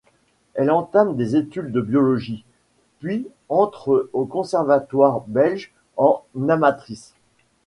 Elle entame des études de biologie, puis entre au conservatoire belge en amatrice.